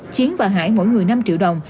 chiến và hải mỗi người năm triệu đồng